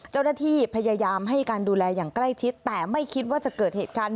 เจ้าหน้าที่พยายามให้การดูแลอย่างใกล้ชิดแต่ไม่คิดว่าจะเกิดเหตุการณ์